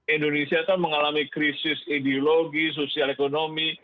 indonesia kan mengalami krisis ideologi sosial ekonomi